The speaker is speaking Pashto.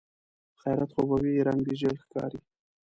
خيرت خو به وي؟ رنګ دې ژېړ ښکاري.